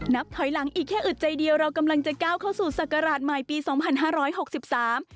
นับถอยหลังอีกแค่อึดใจเดียวเรากำลังจะก้าวเข้าสู่ศักราชใหม่ปีสองพันห้าร้อยหกสิบสาม